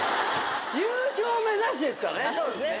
優勝を目指してですからね。